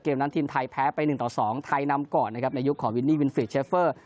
นั้นทีมไทยแพ้ไป๑ต่อ๒ไทยนำก่อนนะครับในยุคของวินนี่วินฟรีดเชฟเฟอร์